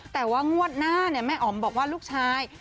แต่ว่างวดหน้าแม่อ๋อมบอกว่าลูกชาย